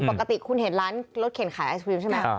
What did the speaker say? ปกติคุณเห็นร้านรถเข็นขายไอศครีมใช่ไหม